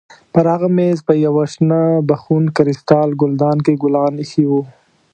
پر هغه مېز په یوه شنه بخون کریسټال ګلدان کې ګلان ایښي وو.